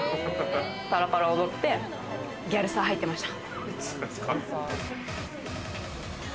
パラパラ踊って、ギャルサー入ってました。